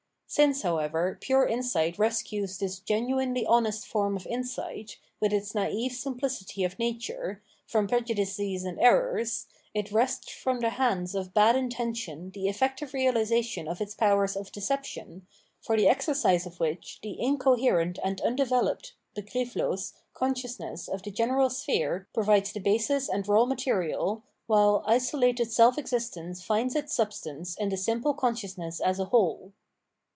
Since, however, pure insight rescues this genuinely honest form of insight, with its naive simplicity of nature, from prejudices and errors, it wrests from the hands of bad intention the efiective realisation of its powers of deception, for the exercise of which the incoherent and undeveloped {begrifflos) consciousness of the general sphere provides the basis and raw material, while isolated self existence finds its substance in the simple consciousness as a whole.